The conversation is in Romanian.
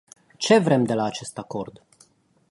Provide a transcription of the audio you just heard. Ce vrem de la acest acord?